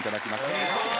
お願いしまーす。